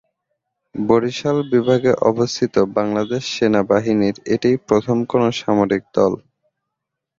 বরিশাল বিভাগে অবস্থিত বাংলাদেশ সেনাবাহিনীর এটিই প্রথম কোন সামরিক দল।